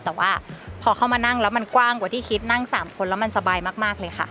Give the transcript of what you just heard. แต่ว่าพอเข้ามานั่งแล้วมันกว้างกว่าที่คิดนั่ง๓คนแล้วมันสบายมากเลยค่ะ